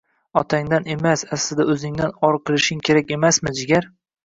Otangdan emas, aslida o'zingdan or qilishing kerak emasmi, jigarim